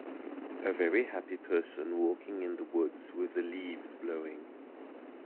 A very happy person walking in the woods with the leaves blowing.